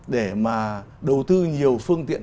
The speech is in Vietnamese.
để mà đầu tư nhiều phương tiện